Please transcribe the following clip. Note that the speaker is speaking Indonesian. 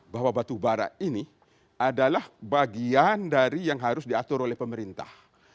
bahwa batu bara ini adalah bagian dari yang harus diatur oleh pemerintah